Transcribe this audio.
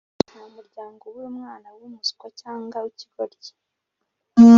Nta muryango ubura umwana wumuswa cyangwa wikigoryi